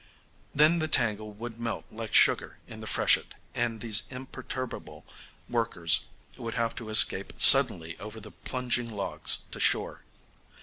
Then the tangle would melt like sugar in the freshet, and these imperturbable workers would have to escape suddenly over the plunging logs to shore.